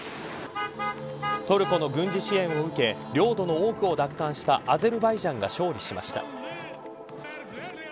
トルコの軍事支援を受け領土の多くを奪還したアゼルバイジャンが勝利しました。